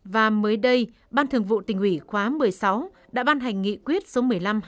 và mới đây ban thường vụ tỉnh hủy khóa một mươi sáu đã ban hành nghị quyết số một mươi năm hai nghìn một mươi sáu